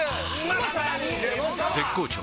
絶好調！！